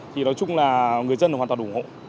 thì nói chung là người dân hoàn toàn ủng hộ